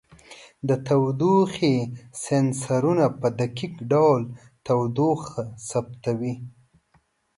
د تودوخې سینسرونو په دقیق ډول تودوخه ثبتوي.